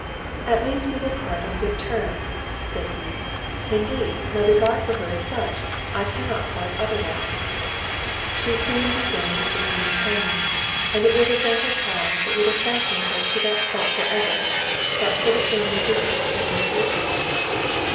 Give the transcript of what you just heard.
"At least we will part on good terms," said he—"Indeed, my regard for her is such, I cannot part otherwise." She soon discerned his returning kindness, and it was a gentle tie that would have fastened her to that spot for ever, but for the firm resistance of Miss Woodley.